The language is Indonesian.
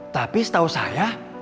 tapi setahu saya